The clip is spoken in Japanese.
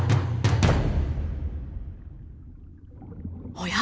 おや？